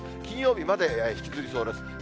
金曜日まで引きずりそうです。